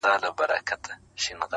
موږ ته سياسي، اقتصادي